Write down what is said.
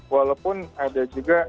walaupun ada juga